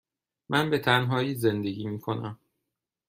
من به تنهایی زندگی می کنم.